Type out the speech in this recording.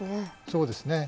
そうですね。